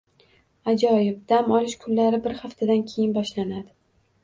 - Ajoyib! Dam olish kunlari bir haftadan keyin boshlanadi.